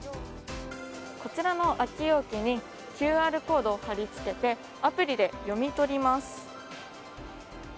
こちらの空き容器にＱＲコードを貼り付けてアプリで読み取ります。